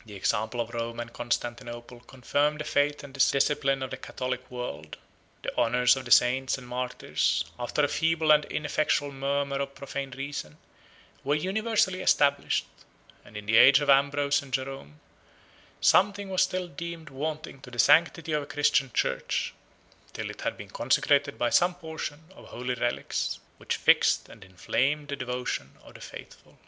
73 The example of Rome and Constantinople confirmed the faith and discipline of the Catholic world. The honors of the saints and martyrs, after a feeble and ineffectual murmur of profane reason, 74 were universally established; and in the age of Ambrose and Jerom, something was still deemed wanting to the sanctity of a Christian church, till it had been consecrated by some portion of holy relics, which fixed and inflamed the devotion of the faithful.